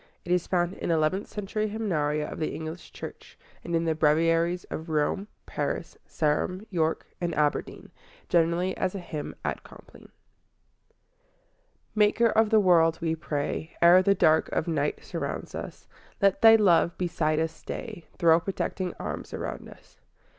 It is found in eleventh century Hymnaria of the English Church, and in the Breviaries of Rome, Paris, Sarum, York, and Aberdeen, generally as a hymn at Compline. I Maker of the world, we pray, Ere the dark of night surround us, Let Thy love beside us stay, Throw protecting arms around us.